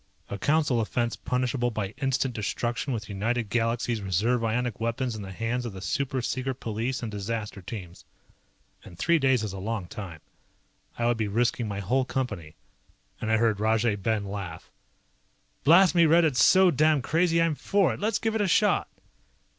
A Council offense punishable by instant destruction with United Galaxies reserve ionic weapons in the hands of the super secret police and disaster teams. And three days is a long time. I would be risking my whole Company. I heard Rajay Ben laugh. "Blast me, Red, it's so damned crazy I'm for it. Let's give it a shot."